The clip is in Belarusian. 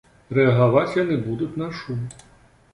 Рэагаваць яны будуць на шум.